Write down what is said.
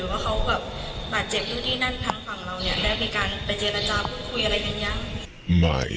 ว่าเขาแบบบาดเจ็บอยู่ที่นั่นทางฝั่งเราเนี่ยได้มีการไปเจรจาพูดคุยอะไรกันยัง